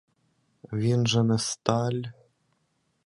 Він же не сталь.